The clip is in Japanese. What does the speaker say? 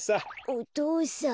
お父さん。